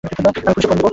আমি পুলিশে ফোন করব!